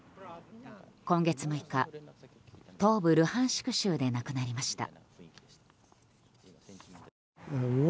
今月６日、東部ルハンシク州で亡くなりました。